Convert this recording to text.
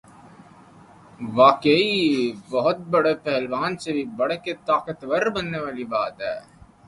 ہ واقعی بہت بڑے پہلوان سے بھی بڑھ کر طاقت ور بننے والی بات ہے۔